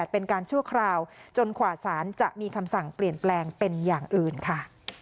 เป็นการชั่วคราวจนกว่าสารจะมีคำสั่งเปลี่ยนแปลงเป็นอย่างอื่นค่ะ